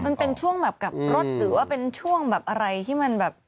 มันเป็นช่วงแบบกับรถหรือว่าเป็นช่วงแบบอะไรที่มันแบบ